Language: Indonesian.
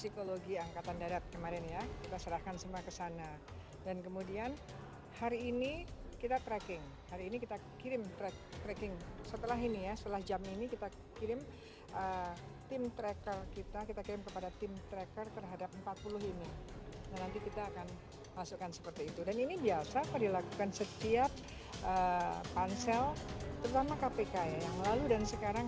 kita lakukan setiap pansil terutama kpk yang lalu dan sekarang